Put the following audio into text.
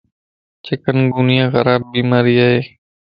چڪن گونيا خراب بيماري ائي